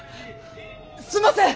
すんません！